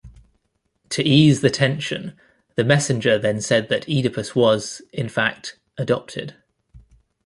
To ease the tension, the messenger then said that Oedipus was, in fact, adopted.